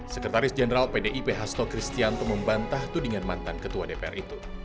sekretaris jenderal pdip hasto kristianto membantah tudingan mantan ketua dpr itu